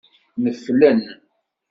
Neflen.